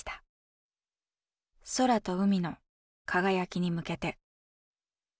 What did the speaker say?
「空と海の輝きに向けて」。